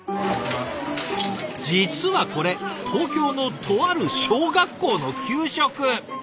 実はこれ東京のとある小学校の給食。